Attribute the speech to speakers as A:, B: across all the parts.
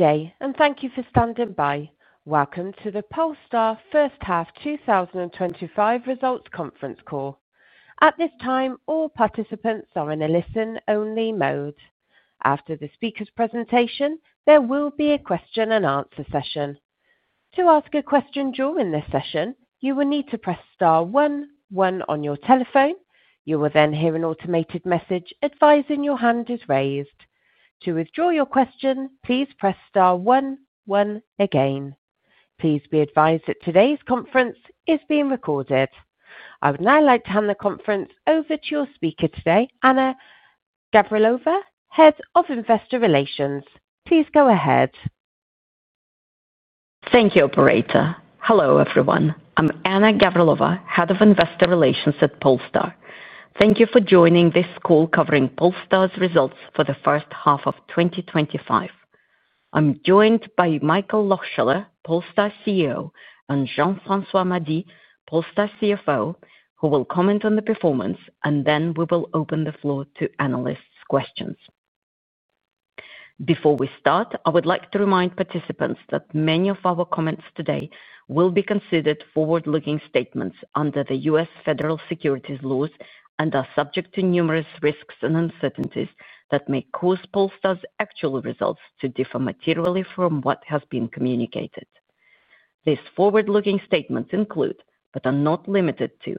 A: Okay, thank you for standing by. Welcome to the Polestar First Half 2025 results conference call. At this time, all participants are in a listen-only mode. After the speaker's presentation, there will be a question and answer session. To ask a question during this session, you will need to press *1 1 on your telephone. You will then hear an automated message advising your hand is raised. To withdraw your question, please press *1 1 again. Please be advised that today's conference is being recorded. I would now like to hand the conference over to your speaker today, Anna Gavrilova, Head of Investor Relations. Please go ahead.
B: Thank you, operator. Hello, everyone. I'm Anna Gavrilova, Head of Investor Relations at Polestar. Thank you for joining this call covering Polestar's results for the first half of 2025. I'm joined by Michael Lohscheller, Polestar CEO, and Jean-François Mady, Polestar CFO, who will comment on the performance, and then we will open the floor to analysts' questions. Before we start, I would like to remind participants that many of our comments today will be considered forward-looking statements under the U.S. Federal Securities Laws and are subject to numerous risks and uncertainties that may cause Polestar's actual results to differ materially from what has been communicated. These forward-looking statements include, but are not limited to,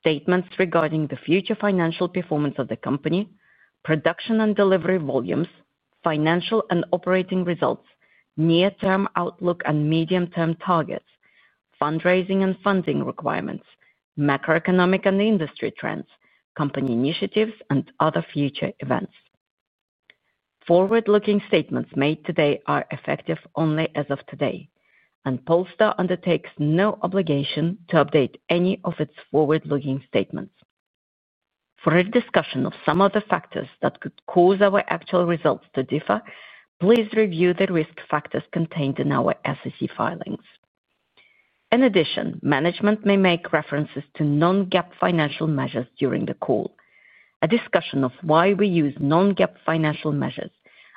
B: statements regarding the future financial performance of the company, production and delivery volumes, financial and operating results, near-term outlook and medium-term targets, fundraising and funding requirements, macroeconomic and industry trends, company initiatives, and other future events. Forward-looking statements made today are effective only as of today, and Polestar undertakes no obligation to update any of its forward-looking statements. For a discussion of some of the factors that could cause our actual results to differ, please review the risk factors contained in our SEC filings. In addition, management may make references to non-GAAP financial measures during the call. A discussion of why we use non-GAAP financial measures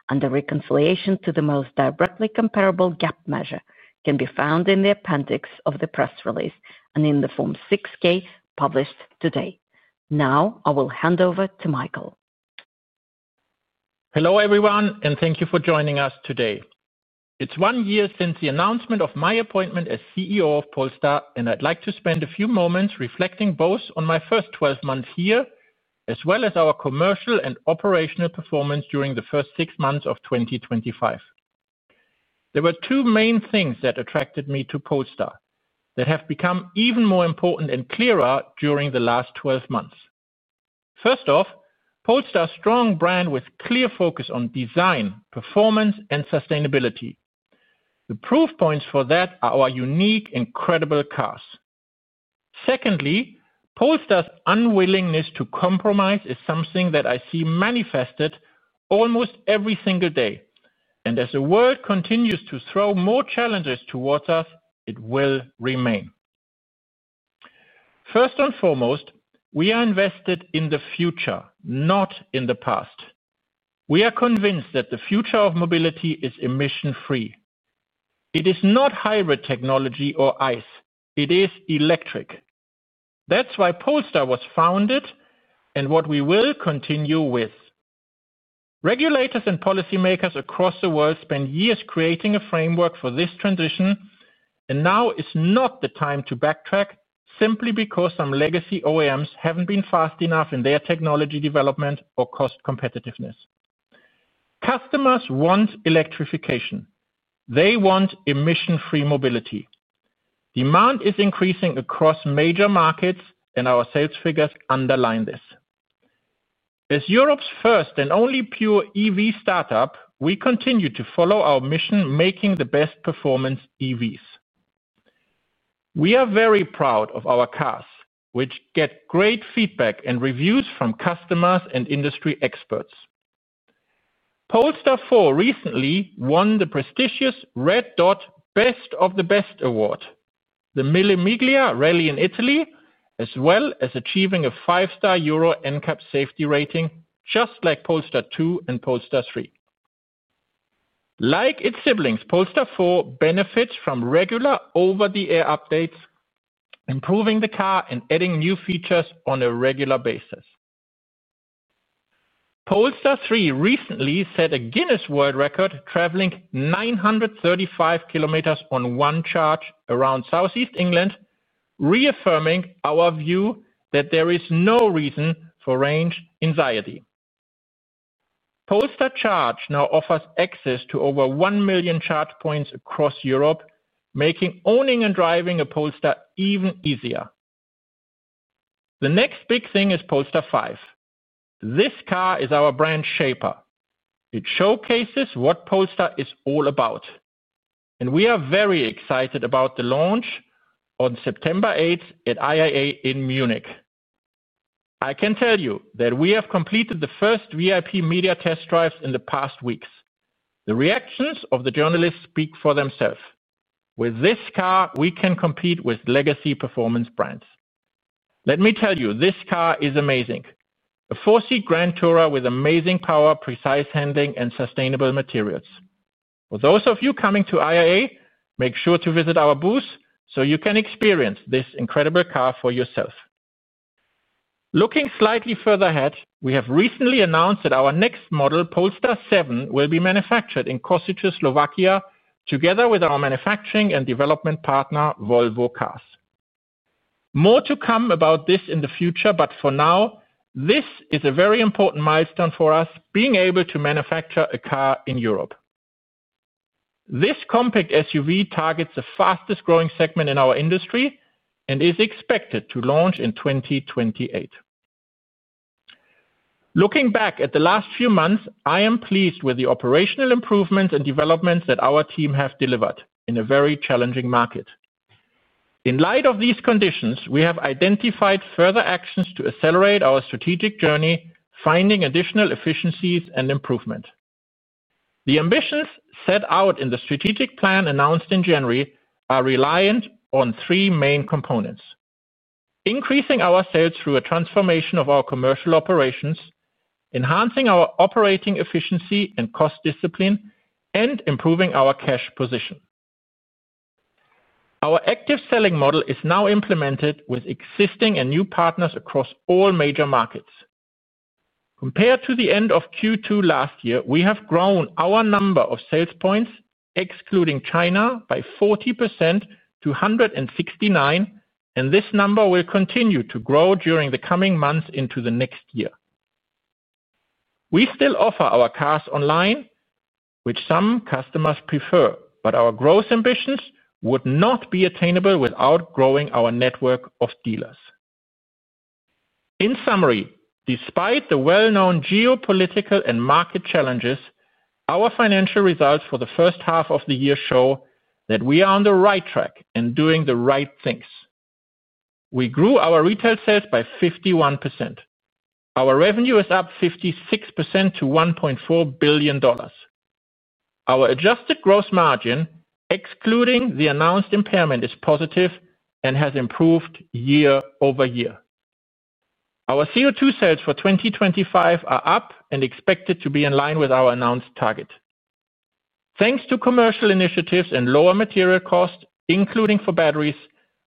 B: and the reconciliation to the most directly comparable GAAP measure can be found in the appendix of the press release and in the Form 6-K published today. Now, I will hand over to Michael.
C: Hello, everyone, and thank you for joining us today. It's one year since the announcement of my appointment as CEO of Polestar, and I'd like to spend a few moments reflecting both on my first 12 months here, as well as our commercial and operational performance during the first six months of 2025. There were two main things that attracted me to Polestar that have become even more important and clearer during the last 12 months. First off, Polestar's strong brand with clear focus on design, performance, and sustainability. The proof points for that are our unique and credible cars. Secondly, Polestar's unwillingness to compromise is something that I see manifested almost every single day, and as the world continues to throw more challenges towards us, it will remain. First and foremost, we are invested in the future, not in the past. We are convinced that the future of mobility is emission-free. It is not hybrid technology or ICE. It is electric. That's why Polestar was founded and what we will continue with. Regulators and policymakers across the world spent years creating a framework for this transition, and now is not the time to backtrack simply because some legacy OEMs haven't been fast enough in their technology development or cost competitiveness. Customers want electrification. They want emission-free mobility. Demand is increasing across major markets, and our sales figures underline this. As Europe's first and only pure EV startup, we continue to follow our mission, making the best performance EVs. We are very proud of our cars, which get great feedback and reviews from customers and industry experts. Polestar 4 recently won the prestigious Red Dot "Best of the Best" award, the Mille Miglia Rally in Italy, as well as achieving a five-star Euro NCAP safety rating, just like Polestar 2 and Polestar 3. Like its siblings, Polestar 4 benefits from regular over-the-air updates, improving the car, and adding new features on a regular basis. Polestar 3 recently set a Guinness World Record, traveling 935 km on one charge around Southeast England, reaffirming our view that there is no reason for range anxiety. Polestar Charge now offers access to over 1 million charge points across Europe, making owning and driving a Polestar even easier. The next big thing is Polestar 5. This car is our brand shaper. It showcases what Polestar is all about, and we are very excited about the launch on September 8th at IIA in Munich. I can tell you that we have completed the first VIP media test drives in the past weeks. The reactions of the journalists speak for themselves. With this car, we can compete with legacy performance brands. Let me tell you, this car is amazing. A four-seat grand tourer with amazing power, precise handling, and sustainable materials. For those of you coming to IIA, make sure to visit our booth so you can experience this incredible car for yourself. Looking slightly further ahead, we have recently announced that our next model, Polestar 7, will be manufactured in Košice, Slovakia, together with our manufacturing and development partner, Volvo Cars. More to come about this in the future, but for now, this is a very important milestone for us, being able to manufacture a car in Europe. This compact SUV targets the fastest growing segment in our industry and is expected to launch in 2028. Looking back at the last few months, I am pleased with the operational improvements and developments that our team has delivered in a very challenging market. In light of these conditions, we have identified further actions to accelerate our strategic journey, finding additional efficiencies and improvement. The ambitions set out in the strategic plan announced in January are reliant on three main components: increasing our sales through a transformation of our commercial operations, enhancing our operating efficiency and cost discipline, and improving our cash position. Our active selling model is now implemented with existing and new partners across all major markets. Compared to the end of Q2 last year, we have grown our number of sales points, excluding China, by 40% to 169, and this number will continue to grow during the coming months into the next year. We still offer our cars online, which some customers prefer, but our growth ambitions would not be attainable without growing our network of dealers. In summary, despite the well-known geopolitical and market challenges, our financial results for the first half of the year show that we are on the right track and doing the right things. We grew our retail sales by 51%. Our revenue is up 56% to $1.4 billion. Our adjusted gross margin, excluding the announced impairment, is positive and has improved year over year. Our CO2 sales for 2025 are up and expected to be in line with our announced target. Thanks to commercial initiatives and lower material costs, including for batteries,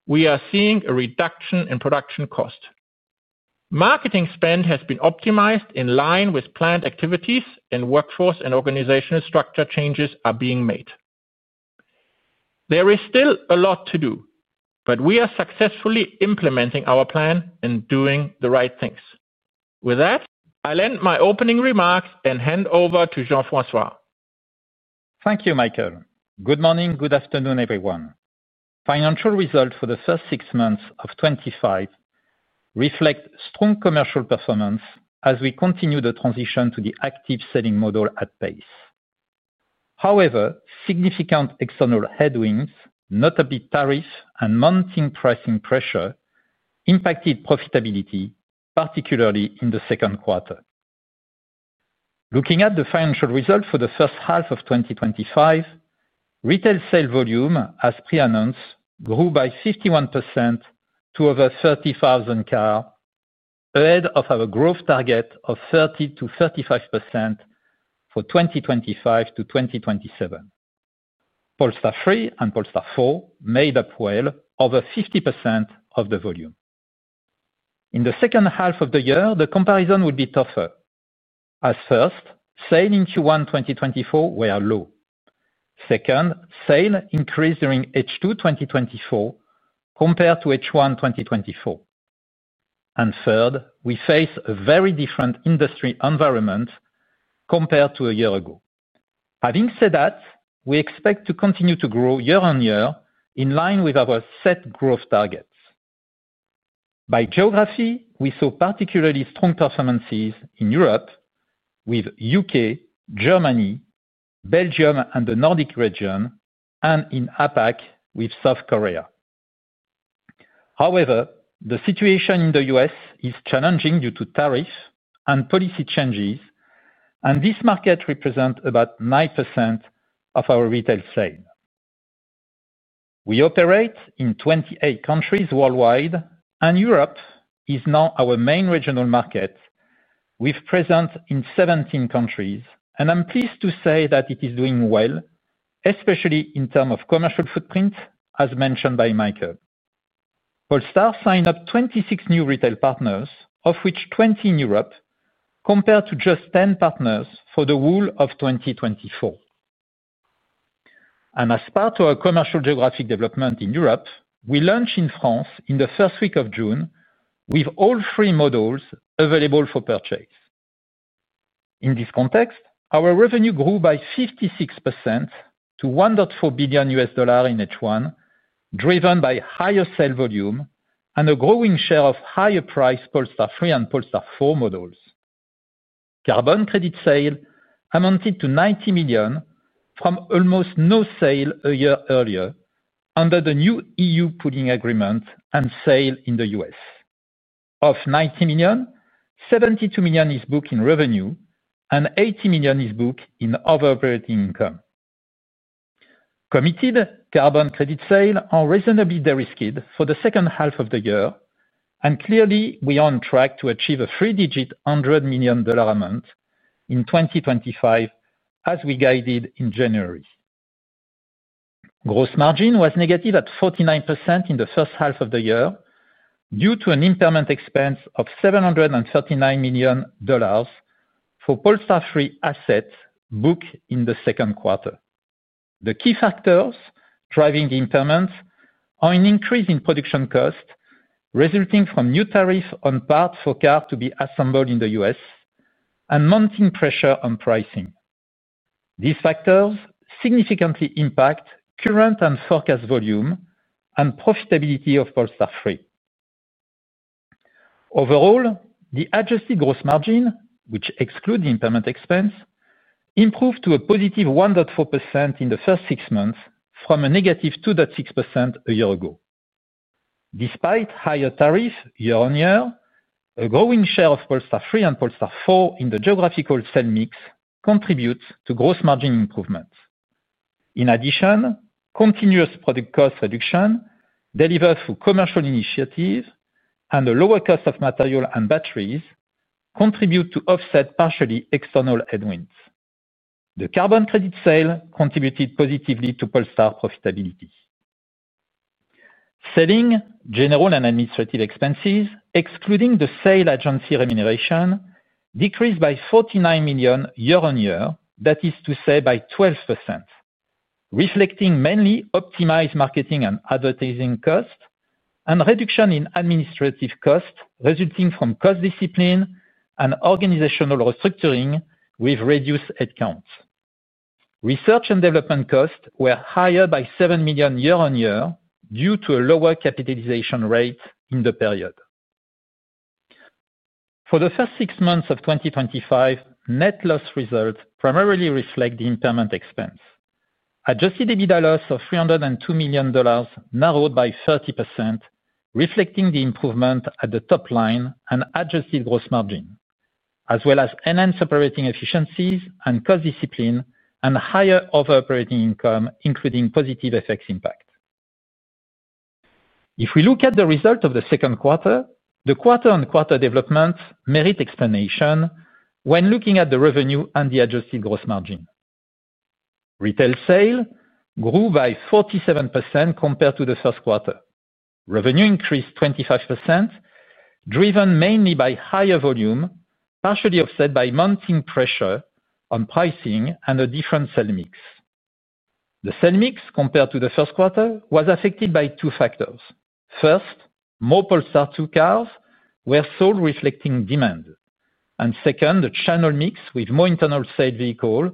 C: we are seeing a reduction in production cost. Marketing spend has been optimized in line with planned activities, and workforce and organizational structure changes are being made. There is still a lot to do, but we are successfully implementing our plan and doing the right things. With that, I'll end my opening remarks and hand over to Jean-François.
D: Thank you, Michael. Good morning, good afternoon, everyone. Financial results for the first six months of 2025 reflect strong commercial performance as we continue the transition to the active selling model at pace. However, significant external headwinds, notably tariffs and mounting pricing pressure, impacted profitability, particularly in the second quarter. Looking at the financial results for the first half of 2025, retail sale volume, as pre-announced, grew by 51% to over 30,000 cars, ahead of our growth target of 30% - 35% for 2025 - 2027. Polestar 3 and Polestar 4 made up well over 50% of the volume. In the second half of the year, the comparison will be tougher, as first, sales in Q1 2024 were low. Second, sales increased during H2 2024 compared to H1 2024. Third, we face a very different industry environment compared to a year ago. Having said that, we expect to continue to grow year on year in line with our set growth targets. By geography, we saw particularly strong performances in Europe with the U.K., Germany, Belgium, and the Nordic region, and in APAC with South Korea. However, the situation in the U.S. is challenging due to tariffs and policy changes, and this market represents about 9% of our retail sales. We operate in 28 countries worldwide, and Europe is now our main regional market. We're present in 17 countries, and I'm pleased to say that it is doing well, especially in terms of commercial footprint, as mentioned by Michael. Polestar signed up 26 new retail partners, of which 20 in Europe, compared to just 10 partners for the whole of 2024. As part of our commercial geographic development in Europe, we launched in France in the first week of June with all three models available for purchase. In this context, our revenue grew by 56% to $1.4 billion in H1, driven by higher sale volume and a growing share of higher-priced Polestar 3 and Polestar 4 models. Carbon credit sales amounted to $90 million from almost no sales a year earlier under the new EU pooling agreement and sales in the U.S. Of $90 million, $72 million is booked in revenue, and $80 million is booked in over-operating income. Committed carbon credit sales are reasonably derisked for the second half of the year, and clearly, we are on track to achieve a three-digit $100 million amount in 2025, as we guided in January. Gross margin was negative at 49% in the first half of the year due to an impairment expense of $739 million for Polestar 3 assets booked in the second quarter. The key factors driving the impairment are an increase in production costs resulting from new tariffs on parts for cars to be assembled in the U.S. and mounting pressure on pricing. These factors significantly impact current and forecast volume and profitability of Polestar 3. Overall, the adjusted gross margin, which excludes the impairment expense, improved to a +1.4% in the first six months from a -2.6% a year ago. Despite higher tariffs year on year, a growing share of Polestar 3 and Polestar 4 in the geographical sale mix contributes to gross margin improvements. In addition, continuous product cost reduction delivered through commercial initiatives and a lower cost of materials and batteries contribute to offset partially external headwinds. The carbon credit sales contributed positively to Polestar profitability. Selling, general, and administrative expenses, excluding the sales agency remuneration, decreased by $49 million year on year, that is to say by 12%, reflecting mainly optimized marketing and advertising costs and a reduction in administrative costs resulting from cost discipline and organizational restructuring with reduced headcount. Research and development costs were higher by $7 million year on year due to a lower capitalization rate in the period. For the first six months of 2025, net loss results primarily reflect the impairment expense. Adjusted EBITDA loss of $302 million narrowed by 30%, reflecting the improvement at the top line and adjusted gross margin, as well as separating efficiencies and cost discipline and higher over-operating income, including positive FX impact. If we look at the result of the second quarter, the quarter-on-quarter development merits explanation when looking at the revenue and the adjusted gross margin. Retail sales grew by 47% compared to the first quarter. Revenue increased 25%, driven mainly by higher volume, partially offset by mounting pressure on pricing and a different sale mix. The sale mix compared to the first quarter was affected by two factors. First, more Polestar 2 cars were sold reflecting demand, and second, the channel mix with more internal sales vehicles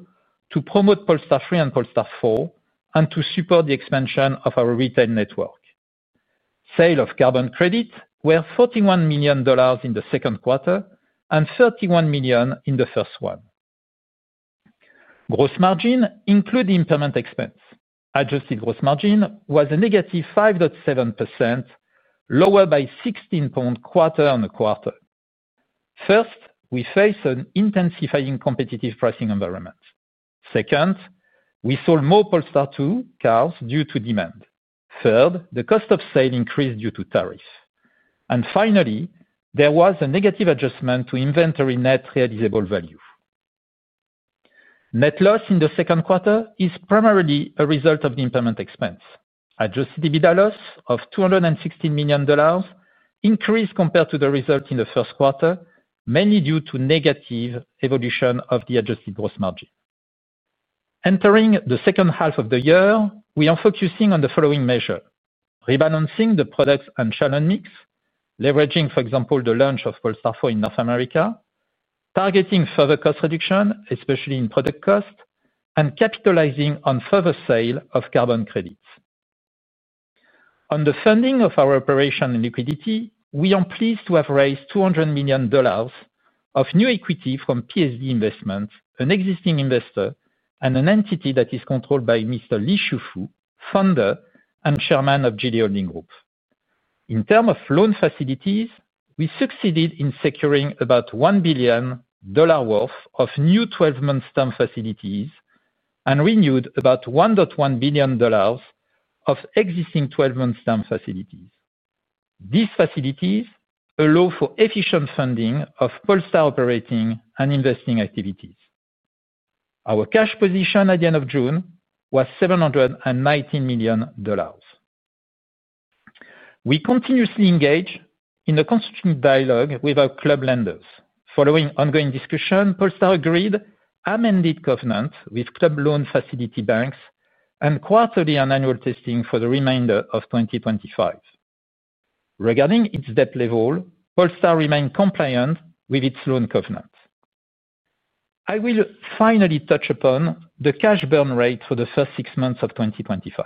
D: to promote Polestar 3 and Polestar 4 and to support the expansion of our retail network. Sales of carbon credit were $41 million in the second quarter and $31 million in the first one. Gross margin included the impairment expense. Adjusted gross margin was a -5.7%, lower by 16 points quarter on quarter. First, we faced an intensifying competitive pricing environment. Second, we sold more Polestar 2 cars due to demand. Third, the cost of sales increased due to tariffs. Finally, there was a negative adjustment to inventory net realizable value. Net loss in the second quarter is primarily a result of the impairment expense. Adjusted EBITDA loss of $216 million increased compared to the result in the first quarter, mainly due to the negative evolution of the adjusted gross margin. Entering the second half of the year, we are focusing on the following measures: rebalancing the products and channel mix, leveraging, for example, the launch of Polestar 4 in North America, targeting further cost reduction, especially in product cost, and capitalizing on further sales of carbon credits. On the funding of our operation and liquidity, we are pleased to have raised $200 million of new equity from PSD Investments, an existing investor and an entity that is controlled by Mr. Li Shufu, founder and chairman of Geely Holding Group. In terms of loan facilities, we succeeded in securing about $1 billion worth of new 12-month stamp facilities and renewed about $1.1 billion of existing 12-month stamp facilities. These facilities allow for efficient funding of Polestar operating and investing activities. Our cash position at the end of June was $719 million. We continuously engage in a constant dialogue with our club lenders. Following ongoing discussion, Polestar agreed to amend its covenant with club loan facility banks and quarterly and annual testing for the remainder of 2025. Regarding its debt level, Polestar remained compliant with its loan covenant. I will finally touch upon the cash burn rate for the first six months of 2025.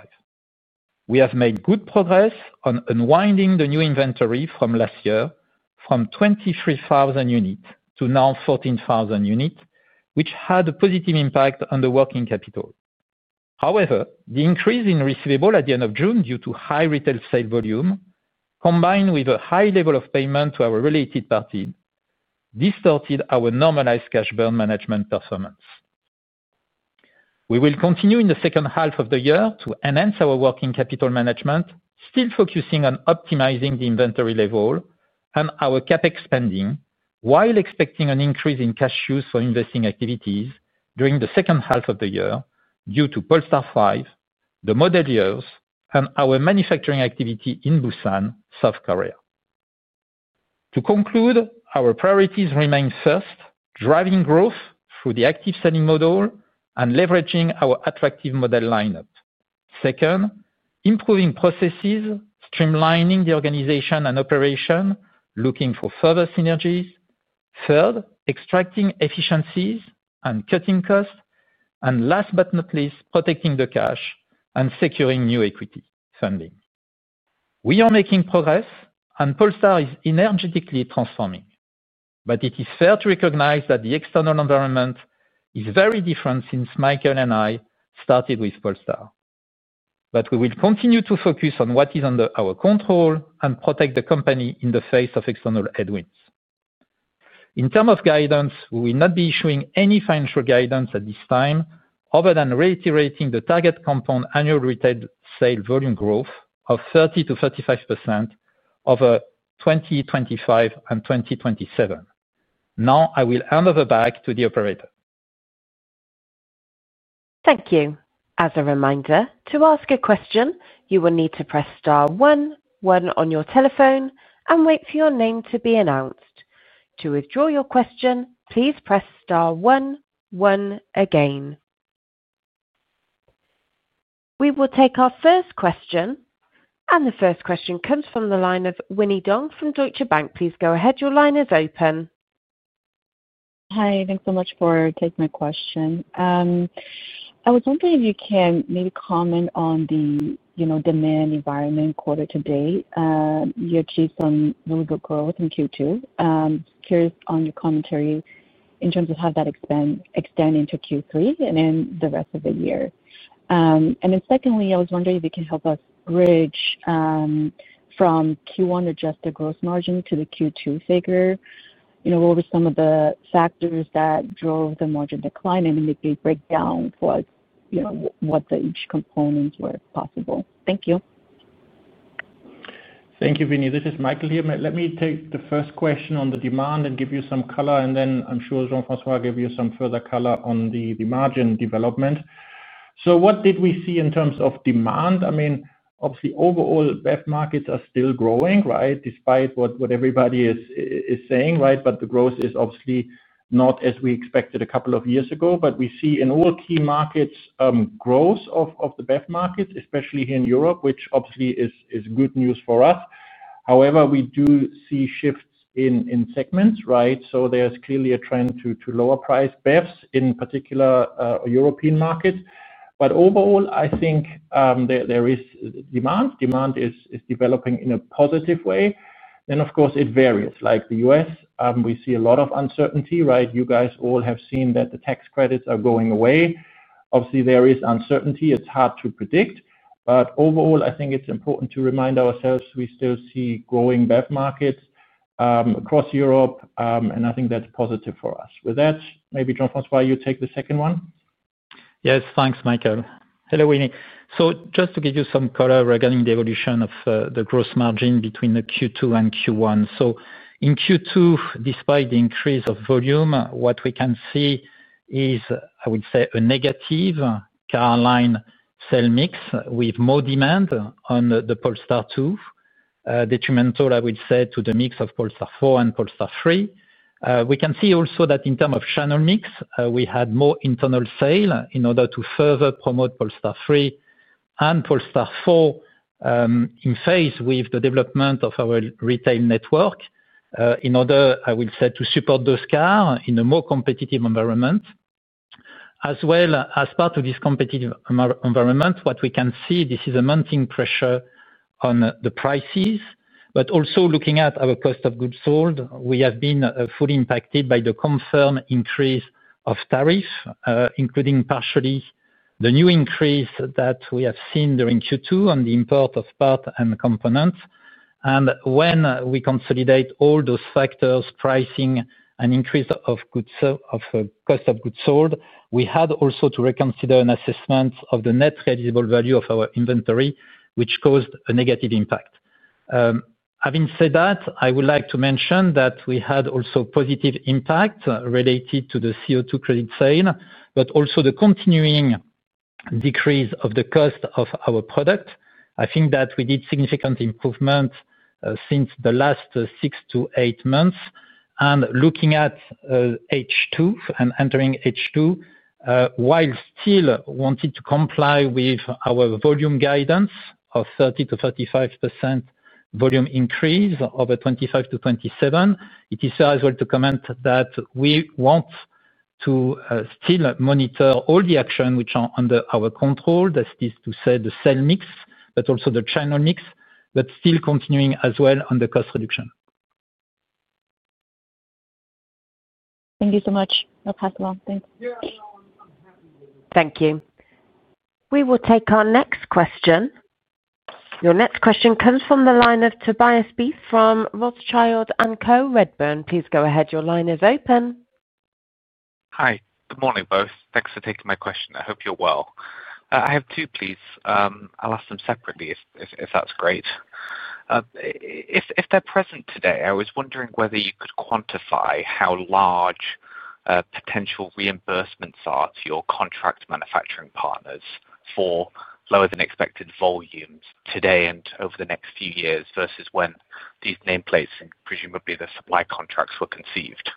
D: We have made good progress on unwinding the new inventory from last year, from 23,000 units to now 14,000 units, which had a positive impact on the working capital. However, the increase in receivables at the end of June due to high retail sale volume, combined with a high level of payment to our related parties, distorted our normalized cash burn management performance. We will continue in the second half of the year to enhance our working capital management, still focusing on optimizing the inventory level and our CapEx spending while expecting an increase in cash use for investing activities during the second half of the year due to Polestar 5, the model years, and our manufacturing activity in Busan, South Korea. To conclude, our priorities remain first, driving growth through the active selling model and leveraging our attractive model lineup. Second, improving processes, streamlining the organization and operation, looking for further synergies. Third, extracting efficiencies and cutting costs, and last but not least, protecting the cash and securing new equity funding. We are making progress, and Polestar is energetically transforming. It is fair to recognize that the external environment is very different since Michael and I started with Polestar. We will continue to focus on what is under our control and protect the company in the face of external headwinds. In terms of guidance, we will not be issuing any financial guidance at this time other than reiterating the target compound annual retail sale volume growth of 30% - 35% over 2025 and 2027. Now, I will hand over back to the operator.
A: Thank you. As a reminder, to ask a question, you will need to press *1 1 on your telephone and wait for your name to be announced. To withdraw your question, please press *1 1 again. We will take our first question, and the first question comes from the line of Winnie Dong from Deutsche Bank. Please go ahead. Your line is open.
E: Hi. Thanks so much for taking my question. I was wondering if you can maybe comment on the demand environment quarter to date. You achieved some really good growth in Q2. I'm curious on your commentary in terms of how that extends into Q3 and the rest of the year. Secondly, I was wondering if you can help us bridge from Q1 adjusted gross margin to the Q2 figure. What were some of the factors that drove the margin decline? If you could break down what each component were possible. Thank you.
C: Thank you, Winnie. This is Michael here. Let me take the first question on the demand and give you some color, and then I'm sure Jean-François will give you some further color on the margin development. What did we see in terms of demand? Obviously, overall, BEV markets are still growing, right, despite what everybody is saying, right? The growth is obviously not as we expected a couple of years ago. We see in all key markets growth of the BEV markets, especially here in Europe, which obviously is good news for us. However, we do see shifts in segments, right? There is clearly a trend to lower-priced BEVs, in particular, European markets. Overall, I think there is demand. Demand is developing in a positive way. Of course, it varies. Like the U.S., we see a lot of uncertainty, right? You guys all have seen that the tax credits are going away. Obviously, there is uncertainty. It's hard to predict. Overall, I think it's important to remind ourselves we still see growing BEV markets across Europe, and I think that's positive for us. With that, maybe Jean-François, you take the second one.
D: Yes. Thanks, Michael. Hello, Winnie. Just to give you some color regarding the evolution of the gross margin between Q2 and Q1. In Q2, despite the increase of volume, what we can see is, I would say, a negative car line sale mix with more demand on the Polestar 2, detrimental, I would say, to the mix of Polestar 4 and Polestar 3. We can see also that in terms of channel mix, we had more internal sales in order to further promote Polestar 3 and Polestar 4 in phase with the development of our retail network in order, I would say, to support those cars in a more competitive environment. As well, as part of this competitive environment, what we can see, this is a mounting pressure on the prices. Also, looking at our cost of goods sold, we have been fully impacted by the concern increase of tariffs, including partially the new increase that we have seen during Q2 on the import of parts and components. When we consolidate all those factors, pricing, and increase of cost of goods sold, we had also to reconsider an assessment of the net realizable value of our inventory, which caused a negative impact. Having said that, I would like to mention that we had also positive impacts related to the CO2 credit sale, but also the continuing decrease of the cost of our product. I think that we did significant improvements since the last six to eight months. Looking at H2 and entering H2, while still wanting to comply with our volume guidance of 30% - 35% volume increase over 25% - 27%, it is fair as well to comment that we want to still monitor all the actions which are under our control, that is to say the sale mix, but also the channel mix, but still continuing as well on the cost reduction.
E: Thank you so much. I'll pass along. Thanks.
A: Thank you. We will take our next question. Your next question comes from the line of Tobias Beith from Rothschild & Co Redburn. Please go ahead. Your line is open.
F: Hi. Good morning, both. Thanks for taking my question. I hope you're well. I have two, please. I'll ask them separately if that's great. If they're present today, I was wondering whether you could quantify how large potential reimbursements are to your contract manufacturing partners for lower-than-expected volumes today and over the next few years versus when these nameplates and presumably the supply contracts were conceived?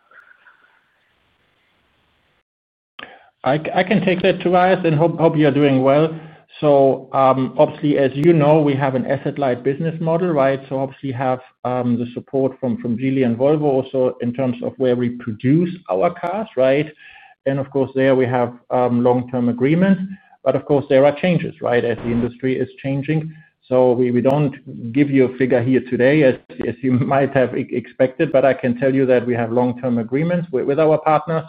C: I can take that, Tobias, and hope you're doing well. As you know, we have an asset-light business model, right? We have the support from Geely and Volvo also in terms of where we produce our cars, right? Of course, there we have long-term agreements. There are changes, as the industry is changing. We don't give you a figure here today as you might have expected, but I can tell you that we have long-term agreements with our partners,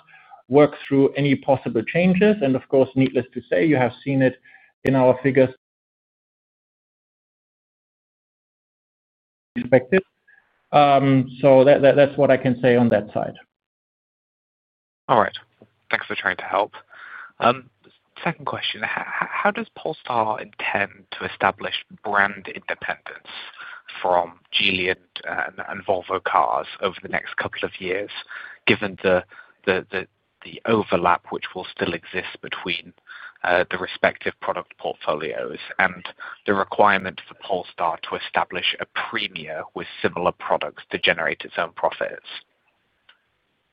C: work through any possible changes. Needless to say, you have seen it in our figures expected. That's what I can say on that side.
F: All right. Thanks for trying to help. Second question, how does Polestar intend to establish brand independence from Geely and Volvo Cars over the next couple of years, given the overlap which will still exist between the respective product portfolios and the requirement for Polestar to establish a premier with similar products to generate its own profits?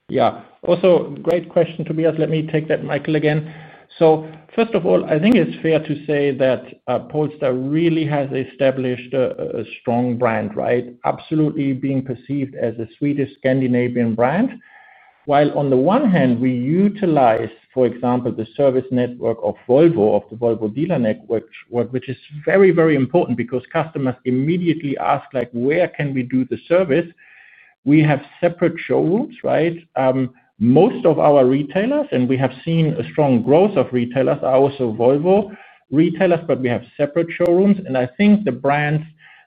C: Yeah. Also, great question, Tobias. Let me take that, Michael, again. First of all, I think it's fair to say that Polestar really has established a strong brand, right? Absolutely being perceived as a Swedish-Scandinavian brand. While on the one hand, we utilize, for example, the service network of Volvo, of the Volvo dealer network, which is very, very important because customers immediately ask, like, "Where can we do the service?" We have separate showrooms, right? Most of our retailers, and we have seen a strong growth of retailers, are also Volvo retailers, but we have separate showrooms. I think the brands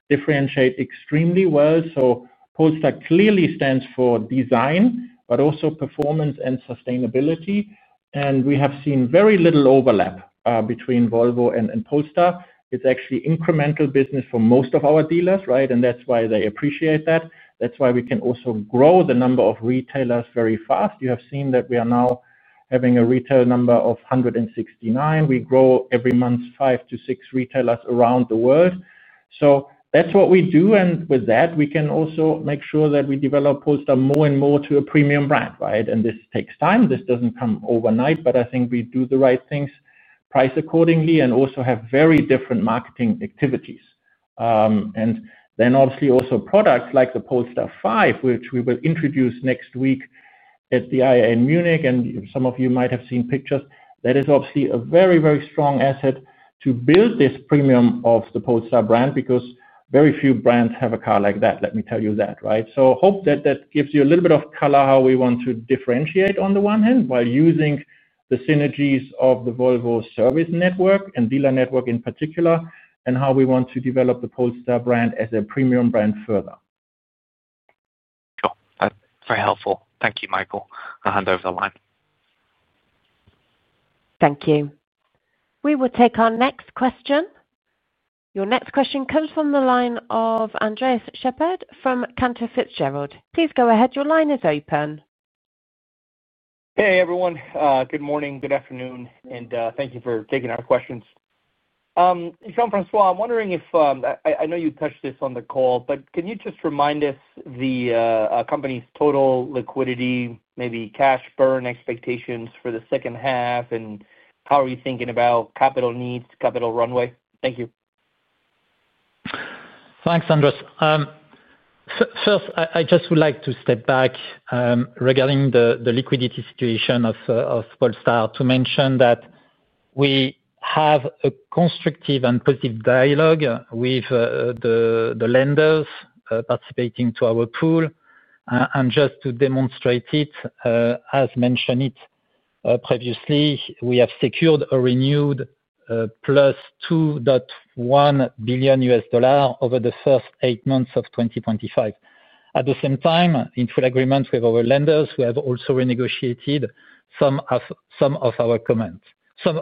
C: differentiate extremely well. Polestar clearly stands for design, but also performance and sustainability. We have seen very little overlap between Volvo and Polestar. It's actually incremental business for most of our dealers, right? That's why they appreciate that. That's why we can also grow the number of retailers very fast. You have seen that we are now having a retail number of 169. We grow every month five to six retailers around the world. That's what we do. With that, we can also make sure that we develop Polestar more and more to a premium brand, right? This takes time. This doesn't come overnight, but I think we do the right things, price accordingly, and also have very different marketing activities. Obviously also products like the Polestar 5, which we will introduce next week at the IIA in Munich. Some of you might have seen pictures. That is obviously a very, very strong asset to build this premium of the Polestar brand because very few brands have a car like that, let me tell you that, right? I hope that that gives you a little bit of color how we want to differentiate on the one hand while using the synergies of the Volvo service network and dealer network in particular and how we want to develop the Polestar brand as a premium brand further.
F: Very helpful. Thank you, Michael. I'll hand over the line.
A: Thank you. We will take our next question. Your next question comes from the line of Andres Sheppard from Cantor Fitzgerald. Please go ahead. Your line is open.
G: Hey, everyone. Good morning. Good afternoon. Thank you for taking our questions. Jean-François, I'm wondering if I know you touched this on the call, but can you just remind us the company's total liquidity, maybe cash burn expectations for the second half, and how are you thinking about capital needs, capital runway? Thank you.
D: Thanks, Andres. First, I just would like to step back regarding the liquidity situation of Polestar to mention that we have a constructive and positive dialogue with the lenders participating to our pool. Just to demonstrate it, as mentioned previously, we have secured a renewed plus $2.1 billion USD over the first eight months of 2025. At the same time, in full agreement with our lenders, we have also renegotiated some of our covenants. At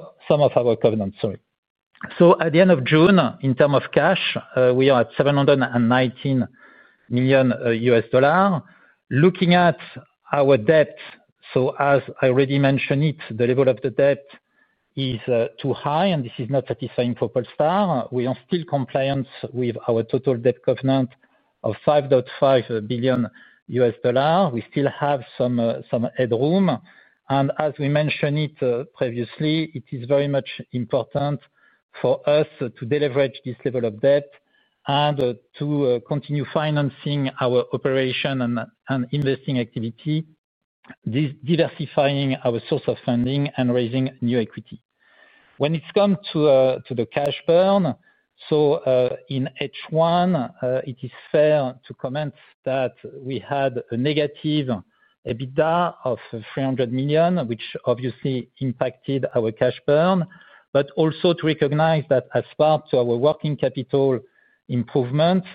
D: the end of June, in terms of cash, we are at $719 million. Looking at our debt, as I already mentioned, the level of the debt is too high, and this is not satisfying for Polestar. We are still compliant with our total debt covenant of $5.5 billion. We still have some headroom. As we mentioned previously, it is very much important for us to deliver this level of debt and to continue financing our operation and investing activity, diversifying our source of funding and raising new equity. When it comes to the cash burn, in H1, it is fair to comment that we had a negative EBITDA of $300 million, which obviously impacted our cash burn. Also, as part of our working capital improvements,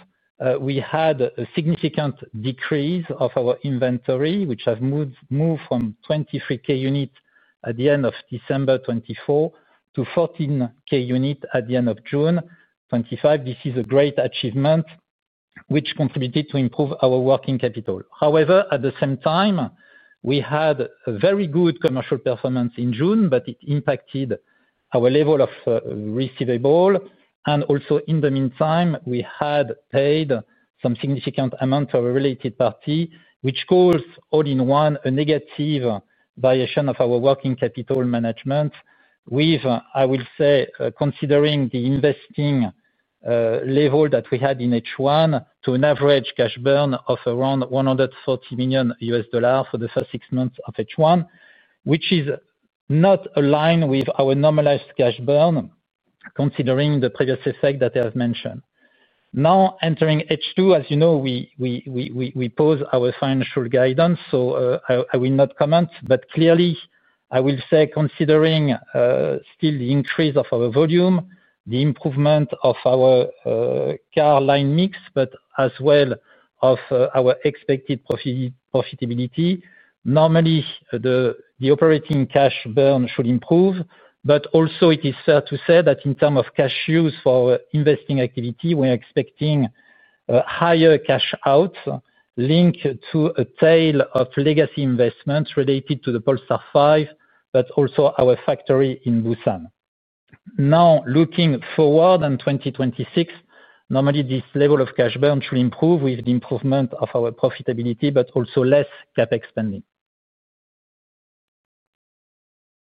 D: we had a significant decrease of our inventory, which has moved from 23K units at the end of December 2024 to 14K units at the end of June 2025. This is a great achievement, which contributed to improve our working capital. However, at the same time, we had a very good commercial performance in June, but it impacted our level of receivable. In the meantime, we had paid some significant amounts to our related party, which caused all in one a negative variation of our working capital management with, I will say, considering the investing level that we had in H1, to an average cash burn of around $140 million for the first six months of H1, which is not aligned with our normalized cash burn, considering the previous effect that I have mentioned. Now, entering H2, as you know, we paused our financial guidance, so I will not comment. Clearly, I will say considering still the increase of our volume, the improvement of our car line mix, as well as our expected profitability, normally, the operating cash burn should improve. Also, it is fair to say that in terms of cash use for investing activity, we are expecting a higher cash out linked to a tail of legacy investments related to the Polestar 5, but also our factory in Busan. Looking forward in 2026, normally, this level of cash burn should improve with the improvement of our profitability, but also less CapEx spending.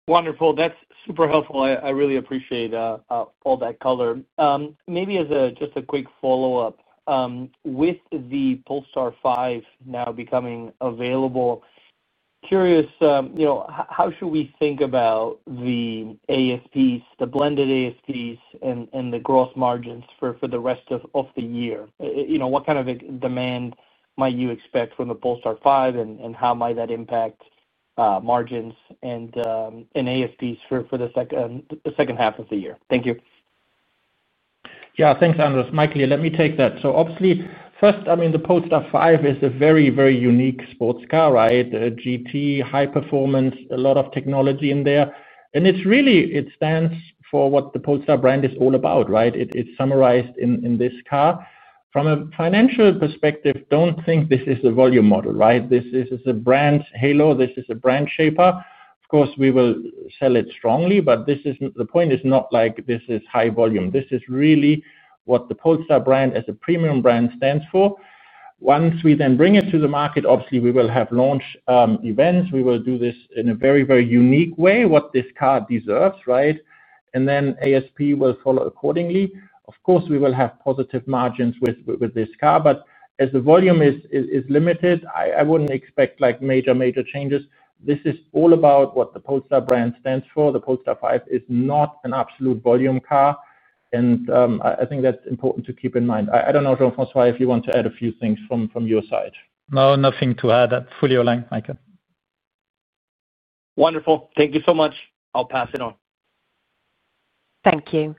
G: Wonderful. That's super helpful. I really appreciate all that color. Maybe as just a quick follow-up, with the Polestar 5 now becoming available, curious, you know, how should we think about the ASPs, the blended ASPs, and the gross margins for the rest of the year? You know, what kind of demand might you expect from the Polestar 5, and how might that impact margins and ASPs for the second half of the year? Thank you.
C: Yeah. Thanks, Andres. Mikey, let me take that. Obviously, first, I mean, the Polestar 5 is a very, very unique sports car, right? GT, high performance, a lot of technology in there. It really stands for what the Polestar brand is all about, right? It's summarized in this car. From a financial perspective, don't think this is a volume model, right? This is a brand halo. This is a brand shaper. Of course, we will sell it strongly, but the point is not like this is high volume. This is really what the Polestar brand as a premium brand stands for. Once we then bring it to the market, obviously, we will have launch events. We will do this in a very, very unique way, what this car deserves, right? ASP will follow accordingly. Of course, we will have positive margins with this car. As the volume is limited, I wouldn't expect major, major changes. This is all about what the Polestar brand stands for. The Polestar 5 is not an absolute volume car. I think that's important to keep in mind. I don't know, Jean-François, if you want to add a few things from your side?
D: No, nothing to add. Fully aligned, Michael.
G: Wonderful. Thank you so much. I'll pass it on.
A: Thank you.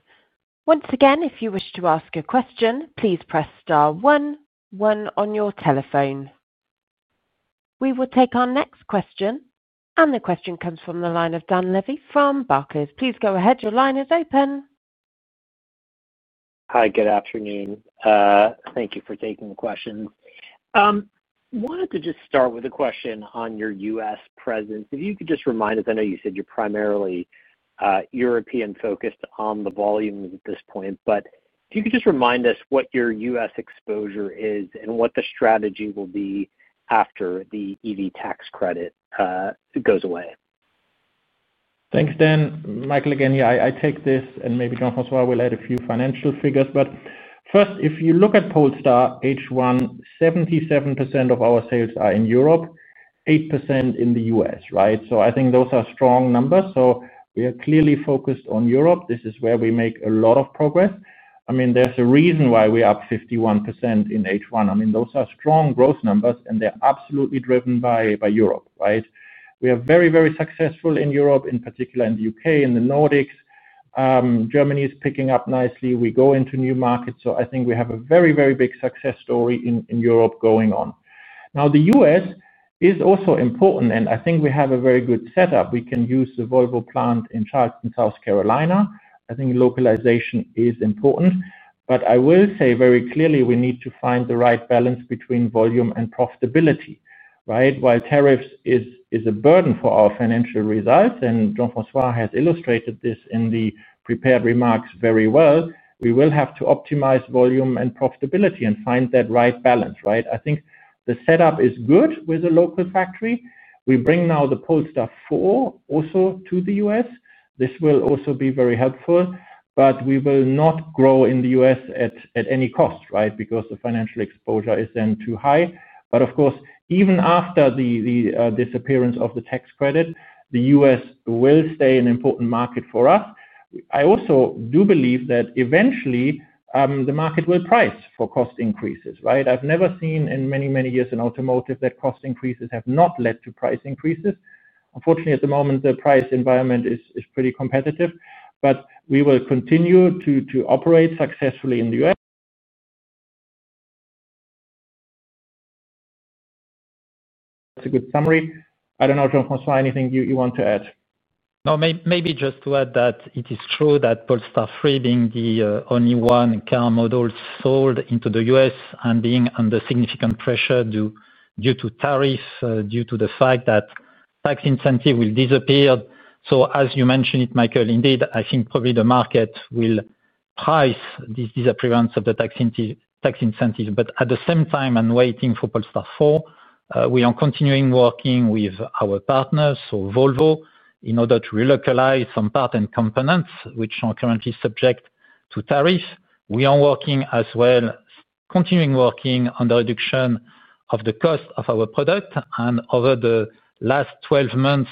A: Once again, if you wish to ask a question, please press *1 1 on your telephone. We will take our next question, and the question comes from the line of Dan Levy from Barclays. Please go ahead. Your line is open.
H: Hi. Good afternoon. Thank you for taking the question. I wanted to just start with a question on your U.S. presence. If you could just remind us, I know you said you're primarily European-focused on the volumes at this point, but if you could just remind us what your U.S. exposure is and what the strategy will be after the EV tax credit goes away?
C: Thanks, Dan. Michael, again, yeah, I take this, and maybe Jean-François will add a few financial figures. First, if you look at Polestar H1, 77% of our sales are in Europe, 8% in the U.S., right? I think those are strong numbers. We are clearly focused on Europe. This is where we make a lot of progress. There's a reason why we're up 51% in H1. Those are strong growth numbers, and they're absolutely driven by Europe, right? We are very, very successful in Europe, in particular in the UK, in the Nordics. Germany is picking up nicely. We go into new markets. I think we have a very, very big success story in Europe going on. The U.S. is also important, and I think we have a very good setup. We can use the Volvo Cars plant in Charleston, South Carolina. I think localization is important. I will say very clearly, we need to find the right balance between volume and profitability, right? While tariffs are a burden for our financial results, and Jean-François has illustrated this in the prepared remarks very well, we will have to optimize volume and profitability and find that right balance, right? I think the setup is good with a local factory. We bring now the Polestar 4 also to the U.S. This will also be very helpful. We will not grow in the U.S. at any cost, right, because the financial exposure is then too high. Of course, even after the disappearance of the tax credit, the U.S. will stay an important market for us. I also do believe that eventually, the market will price for cost increases, right? I've never seen in many, many years in automotive that cost increases have not led to price increases. Unfortunately, at the moment, the price environment is pretty competitive. We will continue to operate successfully in the U.S. That's a good summary. I don't know, Jean-François, anything you want to add?
D: No, maybe just to add that it is true that Polestar 3, being the only one car model sold into the U.S. and being under significant pressure due to tariffs, due to the fact that tax incentives will disappear. As you mentioned it, Michael, indeed, I think probably the market will price these disappearance of the tax incentives. At the same time, I'm waiting for Polestar 4. We are continuing working with our partners, so Volvo Cars, in order to relocalize some parts and components which are currently subject to tariffs. We are working as well, continuing working on the reduction of the cost of our product. Over the last 12 months,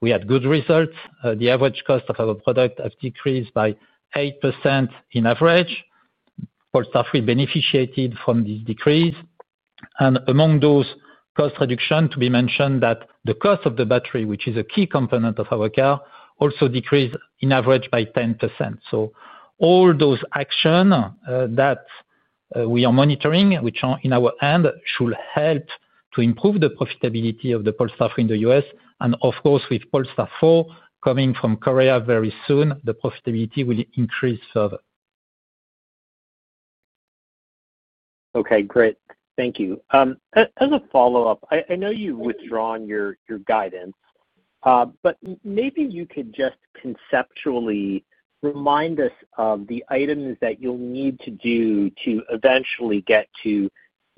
D: we had good results. The average cost of our product has decreased by 8% in average. Polestar 3 beneficiated from this decrease. Among those cost reductions, to be mentioned that the cost of the battery, which is a key component of our car, also decreased in average by 10%. All those actions that we are monitoring, which are in our hand, should help to improve the profitability of the Polestar 3 in the U.S. Of course, with Polestar 4 coming from Korea very soon, the profitability will increase further.
H: Okay. Great. Thank you. As a follow-up, I know you've withdrawn your guidance, but maybe you could just conceptually remind us of the items that you'll need to do to eventually get to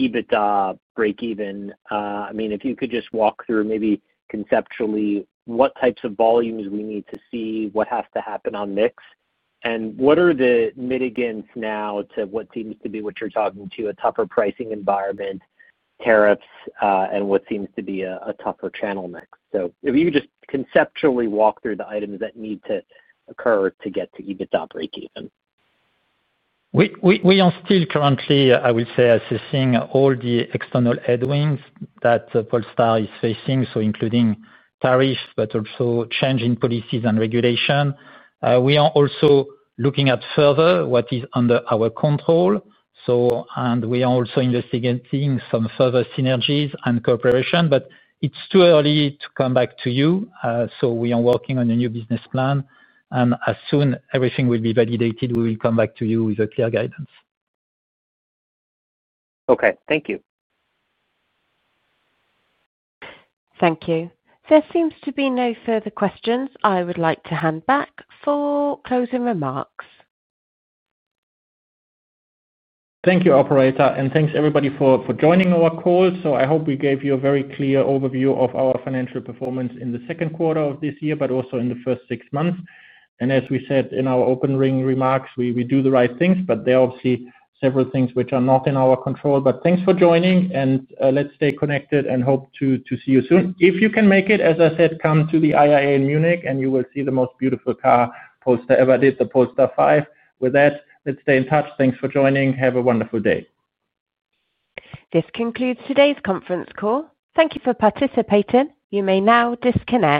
H: EBITDA break-even. I mean, if you could just walk through maybe conceptually what types of volumes we need to see, what has to happen on the mix, and what are the mitigants now to what seems to be what you're talking to, a tougher pricing environment, tariffs, and what seems to be a tougher channel mix. If you could just conceptually walk through the items that need to occur to get to EBITDA break-even.
D: We are still currently, I would say, assessing all the external headwinds that Polestar is facing, including tariffs, but also changing policies and regulations. We are also looking at further what is under our control, and we are also investigating some further synergies and cooperation. It is too early to come back to you. We are working on a new business plan, and as soon as everything will be validated, we will come back to you with a clear guidance.
H: Okay, thank you.
A: Thank you. There seems to be no further questions. I would like to hand back for closing remarks.
C: Thank you, operator. Thank you, everybody, for joining our call. I hope we gave you a very clear overview of our financial performance in the second quarter of this year, but also in the first six months. As we said in our opening remarks, we do the right things, but there are obviously several things which are not in our control. Thank you for joining, and let's stay connected and hope to see you soon. If you can make it, as I said, come to the IIA in Munich, and you will see the most beautiful car Polestar ever did, the Polestar 5. With that, let's stay in touch. Thank you for joining. Have a wonderful day.
A: This concludes today's conference call. Thank you for participating. You may now disconnect.